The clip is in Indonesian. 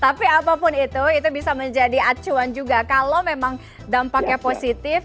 tapi apapun itu itu bisa menjadi acuan juga kalau memang dampaknya positif